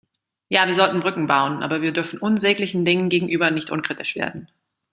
Ja, wir sollten Brücken bauen, aber wir dürfen unsäglichen Dingen gegenüber nicht unkritisch werden.